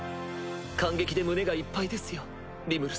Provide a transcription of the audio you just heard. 感激で胸がいっぱいですよリムル